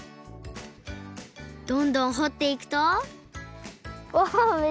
どんどんほっていくとわ！